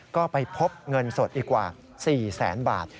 ก็ไปพบเงินสดอีกกว่า๔แสนบาท